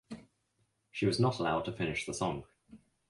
She was not allowed to finish the song.